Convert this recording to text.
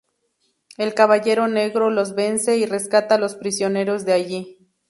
El caballero negro los vence y rescata a los prisioneros de allí.